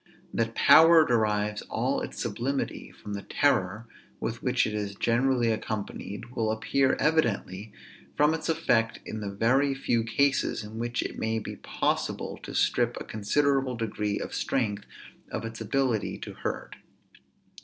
That power derives all its sublimity from the terror with which it is generally accompanied, will appear evidently from its effect in the very few cases, in which it may be possible to strip a considerable degree of strength of its ability to hurt.